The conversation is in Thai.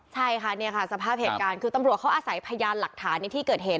ใช่ค่ะเนี่ยค่ะสภาพเหตุการณ์คือตำรวจเขาอาศัยพยานหลักฐานในที่เกิดเหตุ